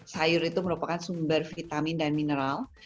sayur itu merupakan sumber vitamin dan mineral